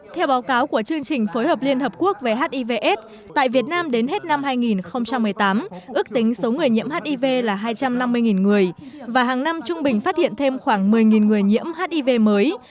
theo báo cáo của chương trình phối hợp liên hợp quốc về hivs tại việt nam đến hết năm hai nghìn một mươi tám ước tính số người nhiễm hiv là hai trăm năm mươi người và hàng năm trung bình phát hiện thêm khoảng một mươi người nhiễm hiv mới